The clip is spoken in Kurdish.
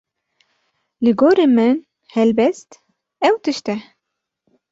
Li gorî min helbest ew tişt e